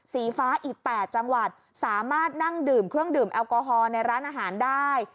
สีฟ้าอีก๘จังหวัดสามารถนั่งดื่มเครื่องดื่มแอลกอฮอลในร้านอาหารได้